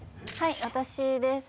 私です